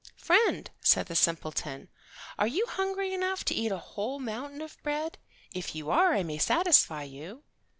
"Friend," said the simpleton, "are you hungry enough to eat a whole mountain of bread? If you are I may satisfy you."